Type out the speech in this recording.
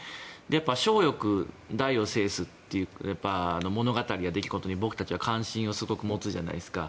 やっぱり小よく大を制すという物語の出来事に僕たちは関心をすごく持つじゃないですか。